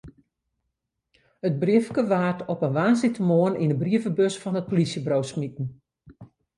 It briefke waard op in woansdeitemoarn yn de brievebus fan it polysjeburo smiten.